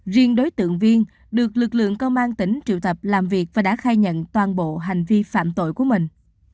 riêng đối tượng viên được lực lượng công an tỉnh triệu thập làm việc và đã khai nhận toàn bộ hành vi phạm tội của mình